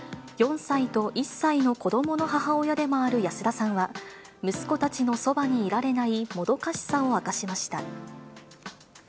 ４歳と１歳の子どもの母親でもある安田さんは、息子たちのそばにいられないもどかしさを明かしました。